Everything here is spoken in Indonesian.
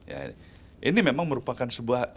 ya ini memang merupakan sebuah